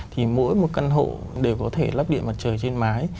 thì mỗi một căn hộ đều có thể lắp điện mặt trời trên mái